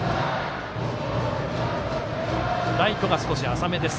ライトが少し浅めです